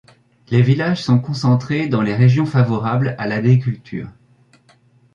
Les villages sont concentrés dans les régions favorables à l'agriculture.